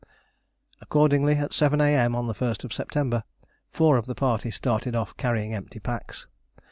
Accordingly at 7 A.M. on the 1st September, four of the party started off carrying empty packs.